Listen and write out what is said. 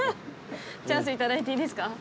チャンス頂いていいですか？